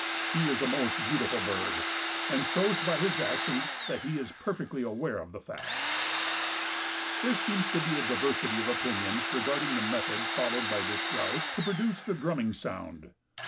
He is a most beautiful bird, and shows by his actions that he is perfectly aware of the fact." There seems to be a diversity of opinion regarding the method followed by this grouse to produce the drumming sound.